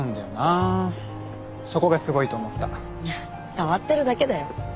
変わってるだけだよ。